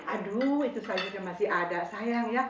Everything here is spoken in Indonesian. aduh itu sayurnya masih ada sayang ya